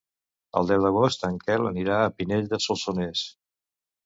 El deu d'agost en Quel anirà a Pinell de Solsonès.